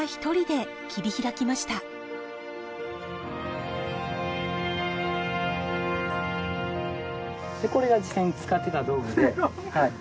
でこれが実際に使っていた道具ではい。